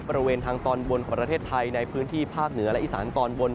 บริเวณทางตอนบนของประเทศไทยในพื้นที่ภาคเหนือและอีสานตอนบน